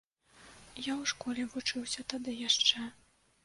Я ў школе вучыўся тады яшчэ.